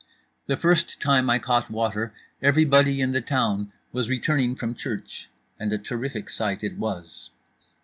The first time I caught water everybody in the town was returning from church, and a terrific sight it was.